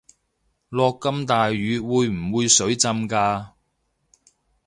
落咁大雨會唔會水浸架